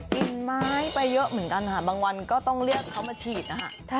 กินไม้ไปเยอะเหมือนกันค่ะบางวันก็ต้องเรียกเขามาฉีดนะคะ